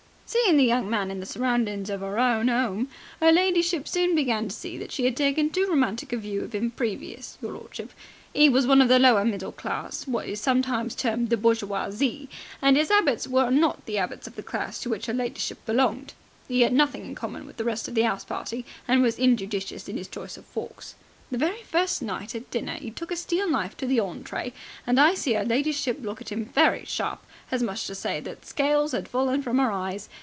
"Seein' the young man in the surroundings of 'er own 'ome, 'er ladyship soon began to see that she had taken too romantic a view of 'im previous, your lordship. 'E was one of the lower middle class, what is sometimes termed the bourjoisy, and 'is 'abits were not the 'abits of the class to which 'er ladyship belonged. 'E 'ad nothing in common with the rest of the 'ouse party, and was injudicious in 'is choice of forks. The very first night at dinner 'e took a steel knife to the ontray, and I see 'er ladyship look at him very sharp, as much as to say that scales had fallen from 'er eyes.